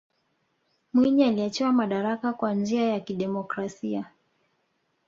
mwinyi aliachiwa madaraka kwa njia ya kidemokrasia